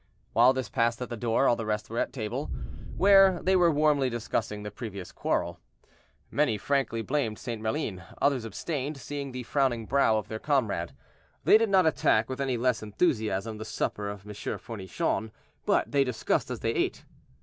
While this passed at the door, all the rest were at table, where they were warmly discussing the previous quarrel. Many frankly blamed St. Maline; others abstained, seeing the frowning brow of their comrade. They did not attack with any less enthusiasm the supper of M. Fournichon, but they discussed as they ate.